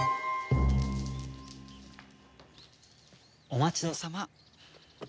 お待ちどおさま。